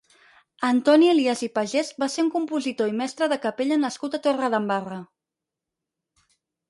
Antoni Elias i Pagès va ser un compositor i mestre de capella nascut a Torredembarra.